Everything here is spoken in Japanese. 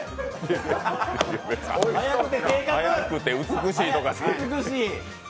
別に、速くて美しいとか。